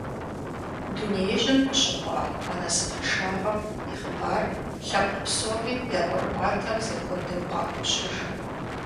Дунеижьым къыщыхъуа а насыпыншагъэм и хъыбар лъэпкъ псоми я ӀуэрыӀуатэм зэхуэдэу къахощыж.